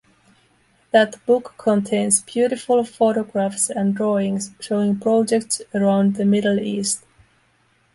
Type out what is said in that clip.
That book contains beautiful photographs and drawings showing projects around the Middle East.